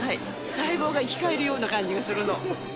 細胞が生き返るような感じがするの。